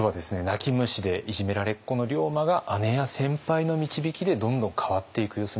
泣き虫でいじめられっ子の龍馬が姉や先輩の導きでどんどん変わっていく様子を見てきました。